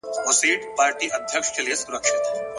• پټ دي له رویبار څخه اخیستي سلامونه دي,,!